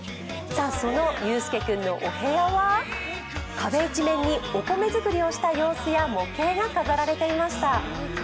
その佑輔君のお部屋は壁一面にお米作りをした様子や模型が飾られていました。